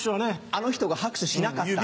あの人が拍手しなかった。